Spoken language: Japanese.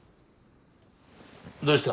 どうした？